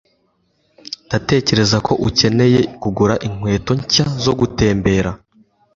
Ndatekereza ko ukeneye kugura inkweto nshya zo gutembera.